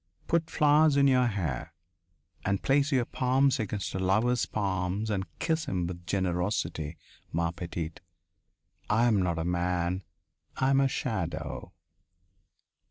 Put flowers in your hair. And place your palms against a lover's palms and kiss him with generosity, ma petite. I am not a man; I am a shadow."